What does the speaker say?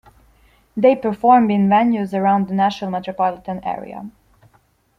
They performed in venues around the Nashville metropolitan area.